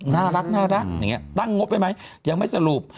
น่ารักตั้งงบไปไหมยังไม่สรุป